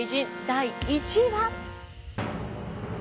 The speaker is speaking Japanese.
第１位は。